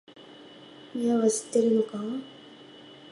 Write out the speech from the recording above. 親は知ってるのか？